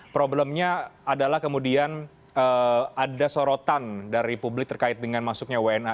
problemnya adalah kemudian ada sorotan dari publik terkait dengan masuknya wna